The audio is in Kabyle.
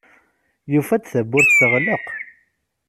Yufa-d tawwurt teɣleq.